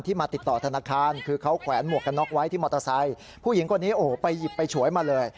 มาติดต่อธนาคารคือเขาแขวนหมวกกันน็อกไว้ที่มอเตอร์ไซค์ผู้หญิงคนนี้โอ้โหไปหยิบไปฉวยมาเลย